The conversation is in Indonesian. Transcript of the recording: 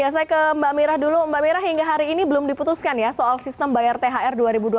saya ke mbak mira dulu mbak mira hingga hari ini belum diputuskan ya soal sistem bayar thr dua ribu dua puluh